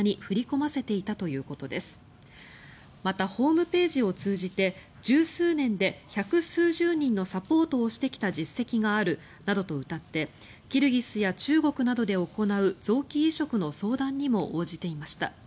またホームページを通じて１０数年で１００数十人のサポートをしてきた実績があるなどとうたってキルギスや中国などで行う臓器移植の相談にも応じていました。